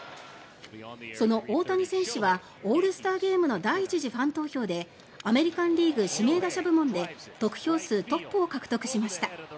その大谷選手はオールスターゲームの第１次ファン投票でアメリカン・リーグ指名打者部門で得票数トップを獲得しました。